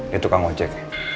dia tukang ojek